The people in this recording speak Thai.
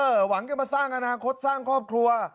หวังจะมาสร้างอนาคตสร้างครอบครัว